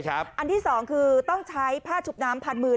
อันที่๒คือต้องใช้ผ้าชุบน้ำพันมือ